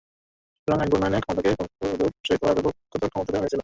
সুতরাং আইন প্রণয়নের ক্ষমতাকে বহুদূর প্রসারিত করার ব্যাপকতর ক্ষমতা দেওয়া হয়েছিল।